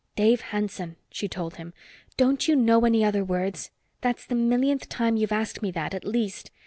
"Dave Hanson," she told him, "don't you know any other words? That's the millionth time you've asked me that, at least.